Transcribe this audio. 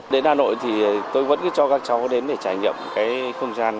đến hà nội thì tôi vẫn cho các cháu đến để trải nghiệm cái không gian